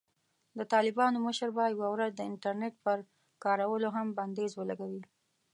د طالبانو مشر به یوه ورځ د "انټرنېټ" پر کارولو هم بندیز ولګوي.